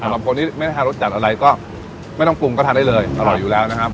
สำหรับคนที่ไม่ได้ทานรสจัดอะไรก็ไม่ต้องปรุงก็ทานได้เลยอร่อยอยู่แล้วนะครับ